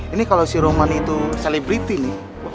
ini kalau si roman itu celebrity nih